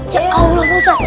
ya allah bosat